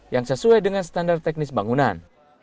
yang sesuai dengan standar teknis bangunan